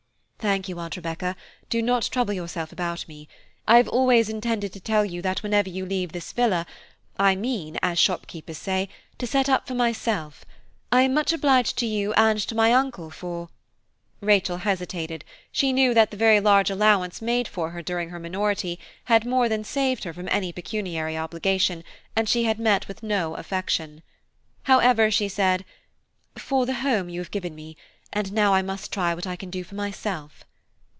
"Thank you, Aunt Rebecca, do not trouble yourself about me; I have always intended to tell you that whenever you leave this villa, I mean, as shopkeepers say, to set up for myself. I am much obliged to you and to my uncle for–" Rachel hesitated, she knew that the very large allowance made for her during her minority had more than saved her from any pecuniary obligation, and she had met with no affection. However, she added, "for the home you have given me, and now I must try what I can do for myself."